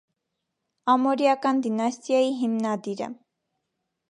Ամորիական դինաստիայի հիմնադիրը։